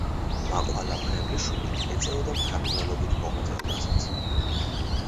მაყვალა მრევლიშვილი ეწეოდა მთარგმნელობით მოღვაწეობასაც.